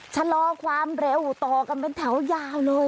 ชะลอความเร็วต่อกันเป็นแถวยาวเลย